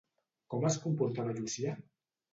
Com es comportava Llucià?